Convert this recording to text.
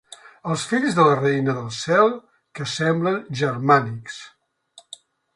Els fills de la reina del cel que semblen germànics.